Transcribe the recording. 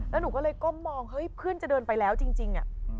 แล้วหนูก็เลยก้มมองเฮ้ยเพื่อนจะเดินไปแล้วจริง